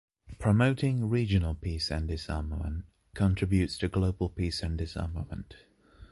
Promoting regional peace and disarmament contributes to global peace and disarmament.